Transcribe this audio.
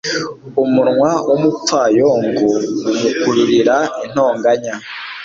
Umunwa w’umupfayongo umukururira intonganya